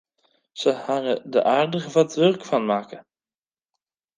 Se hawwe der aardich wat wurk fan makke.